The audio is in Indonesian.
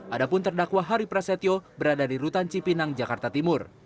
adapun terdakwa hari prasetyo berada di rutan cipinang jakarta timur